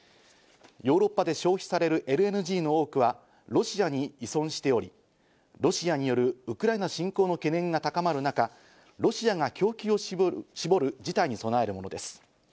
ヨーロッパで消費されるＬＮＧの多くは、ロシアに依存をしており、ロシアによるウクライナ侵攻の懸念が高まる中、ロシアが供給を絞る事態に備えるものです。